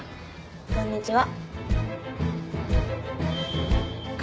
こんにちは。